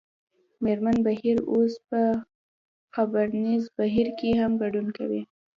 مېرمن بهیر اوس په خپرنیز بهیر کې هم ګډون کوي